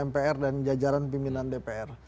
mpr dan jajaran pimpinan dpr